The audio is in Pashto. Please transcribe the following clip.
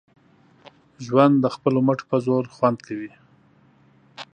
ژوند د خپلو مټو په زور خوند کړي